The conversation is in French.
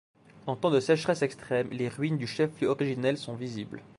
En temps de sécheresse extrême, les ruines du chef-lieu originel sont visibles.